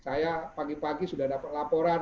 saya pagi pagi sudah dapat laporan